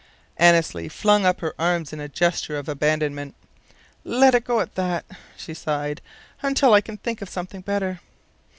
Annesley flung up her arms in a gesture of abandonment. "Let it go at that," she sighed, "until I can think of something better."